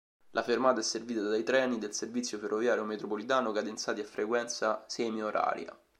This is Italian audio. La fermata è servita dai treni del servizio ferroviario metropolitano, cadenzati a frequenza semioraria.